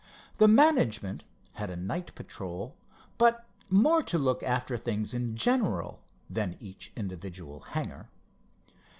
The management had a night patrol, but more to look after things in general than each individual hangar.